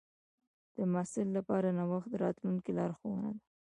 د محصل لپاره نوښت د راتلونکي لارښوونه ده.